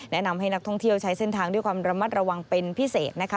แนะนำให้นักท่องเที่ยวใช้เส้นทางด้วยความระมัดระวังเป็นพิเศษนะคะ